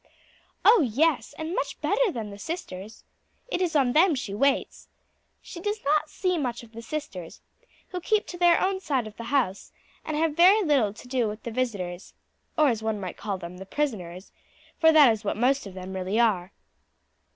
"Oh, yes, and much better than the sisters! It is on them she waits. She does not see much of the sisters, who keep to their own side of the house, and have very little to do with the visitors, or as one might call them the prisoners, for that is what most of them really are."